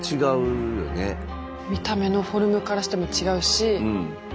見た目のフォルムからしても違うし。